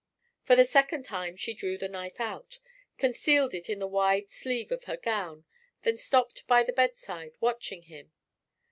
For the second time she drew the knife out, concealed it in the wide sleeve of her gown, then stopped by the bedside, watching him.